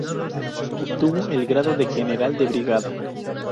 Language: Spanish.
Obtuvo el grado de general de brigada.